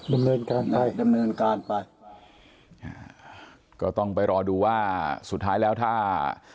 ดำเนินการได้ดำเนินการไปอ่าก็ต้องไปรอดูว่าสุดท้ายแล้วถ้า